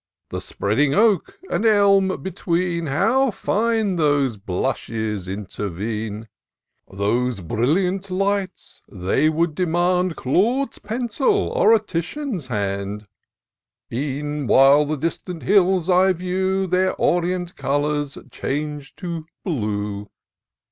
The spreading oak and elm between, How fine those blushes intervene ! Those brilliant lights !— they would demand Claude's pencil, or a Titian's hand : E'en while the distant hills I view, Their orient colours change to blue.